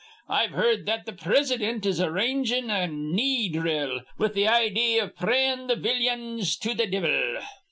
I've heerd that th' Prisident is arrangin' a knee dhrill, with th' idee iv prayin' th' villyans to th' divvil.